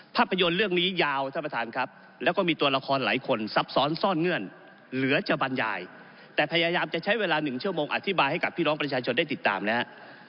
ภาพยนตร์เรื่องนี้ยาวท่านประธานครับแล้วก็มีตัวละครหลายคนซับซ้อนซ่อนเงื่อนเหลือจะบรรยายแต่พยายามจะใช้เวลา๑ชั่วโมงอธิบายให้กับพี่น้องประชาชนได้ติดตามนะฮะ